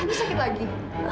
ibu sakit lagi